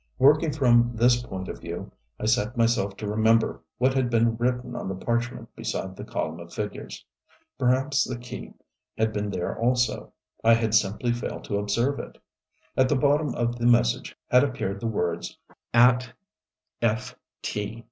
Working from this point of view I set myself to remember what had been written on the parchment beside the column of figures. Perhaps the key had been there also; I had simply failed to observe it. At the bottom of the message had appeared the words "At F. T."